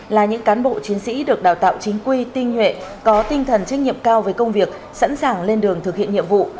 là những cán bộ chiến sĩ được đào tạo chính quy tinh nhuệ có tinh thần trách nhiệm cao với công việc sẵn sàng lên đường thực hiện nhiệm vụ